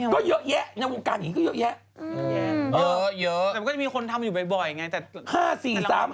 บ่อยไงแต่